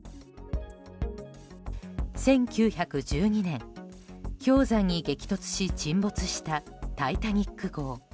１９１２年、氷山に激突し沈没した「タイタニック号」。